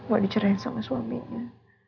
buat dicerahin sama suaminya